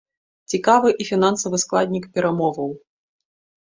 Цікавы і фінансавы складнік перамоваў.